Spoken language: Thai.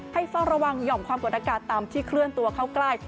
เฝ้าระวังหย่อมความกดอากาศต่ำที่เคลื่อนตัวเข้าใกล้